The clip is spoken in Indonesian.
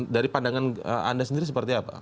dari pandangan anda sendiri seperti apa